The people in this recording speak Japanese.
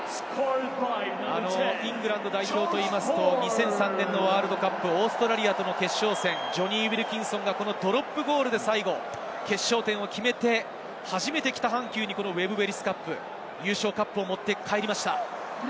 イングランド代表というと、２００３年のワールドカップ、オーストラリアとの決勝戦、ジョニー・ウィルキンソンがドロップゴールで最後、決勝点を決めて初めて北半球にウェブ・エリス・カップ、優勝カップを持って帰りました。